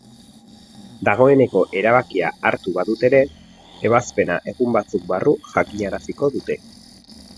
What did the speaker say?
Dagoeneko erabakia hartu badute ere, ebazpena egun batzuk barru jakinaraziko dute.